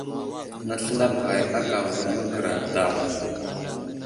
Nəsləlaɓ ghay aka avər magəra daw.